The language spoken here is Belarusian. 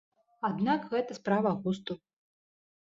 Аднак гэта справа густу.